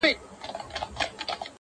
د قاضي په نصیحت کي ثمر نه وو٫